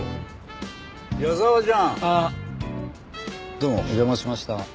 どうもお邪魔しました。